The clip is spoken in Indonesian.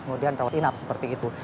kemudian rawat inap seperti itu